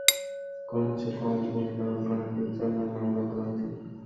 কমছে কম গুন্ডা-গান্ডির জন্য, মামলা করা উচিত।